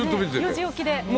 ４時起きで？